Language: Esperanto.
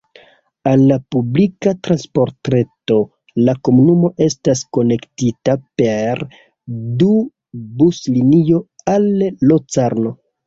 Al la publika transportreto la komunumo estas konektita pere du buslinio al Locarno.